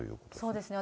そうですね。